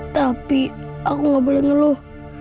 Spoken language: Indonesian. tapi aku gak boleh ngeluh